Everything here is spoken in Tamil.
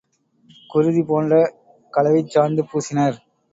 குருதி போன்ற கலவைச்சாந்து பூசினர்.